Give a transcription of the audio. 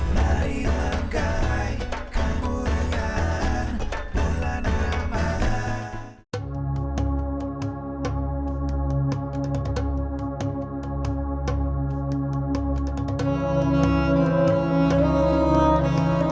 marilah kemuliaan kemuliaan bulan ramadhan